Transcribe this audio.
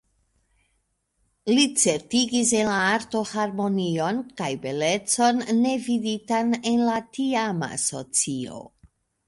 Li certigis en la arto harmonion kaj belecon, ne viditan en la tiama socio.